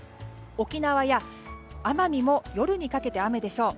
沖縄や奄美も夜にかけて雨でしょう。